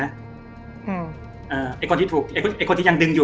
ไอ้คนที่ถูกไอ้คนที่ยังดึงอยู่